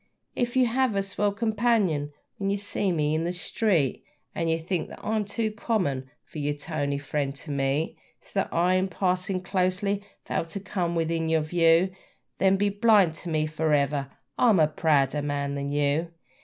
If you have a swell companion when you see me on the street, And you think that I'm too common for your toney friend to meet, So that I, in passing closely, fail to come within your view Then be blind to me for ever: I'm a prouder man than you!